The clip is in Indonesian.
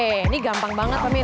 ini gampang banget pemirsa